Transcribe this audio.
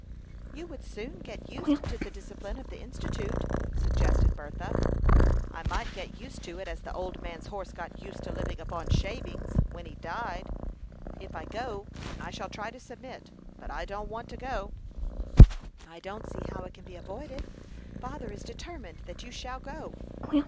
"You would soon get used to the discipline of the Institute," suggested Bertha. "I might get used to it as the old man's horse got used to living upon shavings when he died. If I go, I shall try to submit; but I don't want to go." "I don't see how it can be avoided. Father is determined that you shall go."